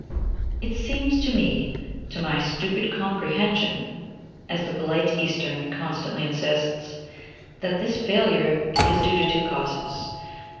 It seems to me "to my stupid comprehension," as the polite Eastern constantly insists that this failure is due to two causes.